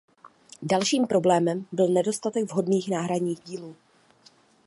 Dalším problémem byl nedostatek vhodných náhradních dílů.